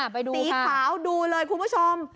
สีขาวดูเลยคุณผู้ชม